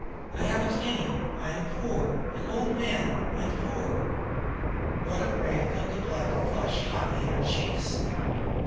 I haven't any. I am poor an old man and poor." Rhoda Gray felt the blood flush hotly to her cheeks.